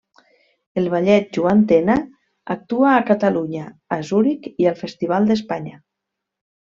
El Ballet Joan Tena actua a Catalunya, a Zuric i al Festival d’Espanya.